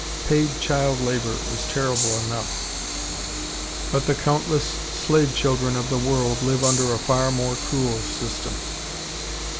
Paid child labor is terrible enough, but the countless slave children of the world live under a far more cruel system.